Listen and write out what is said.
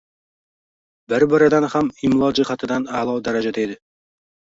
Bir-biridan ham imlo jihatidan a’lo darajada edi.